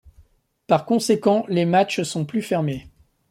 Par conséquent, les matchs sont plus fermés.